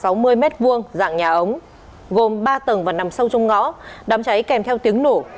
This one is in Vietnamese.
các nhà xảy ra cháy có diện tích khoảng sáu mươi m hai dạng nhà ống gồm ba tầng và nằm sâu trong ngõ đám cháy kèm theo tiếng nổ